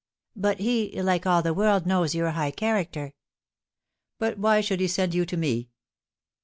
"But he, like all the world, knows your high character." "But why should he send you to me?"